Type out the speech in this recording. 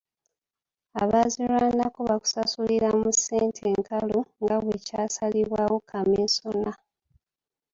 Abaazirwanako baakusasulirwa mu ssente nkalu nga bwe kyasalibwawo kamiisona.